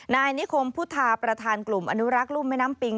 นายนิคมพุทธาประธานกลุ่มอนุรักษ์รุ่มแม่น้ำปิง